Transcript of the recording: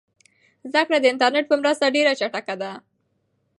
زده کړه د انټرنیټ په مرسته ډېره چټکه ده.